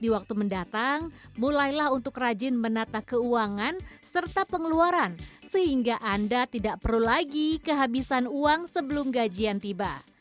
di waktu mendatang mulailah untuk rajin menata keuangan serta pengeluaran sehingga anda tidak perlu lagi kehabisan uang sebelum gajian tiba